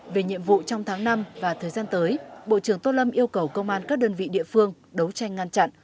về nhiệm vụ trong tháng năm và thời gian tới bộ trưởng tô lâm yêu cầu công an các đơn vị địa phương đấu tranh ngăn chặn